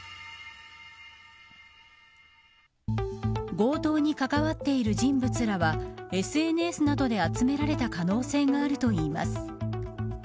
強盗に関わっている人物らはＳＮＳなどで集められた可能性があるといいます。